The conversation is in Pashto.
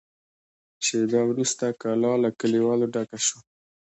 شېبه وروسته کلا له کليوالو ډکه شوه.